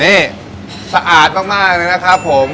นี่สะอาดมากเลยนะครับผม